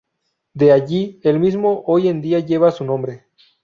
De allí el mismo hoy en día lleva su nombre.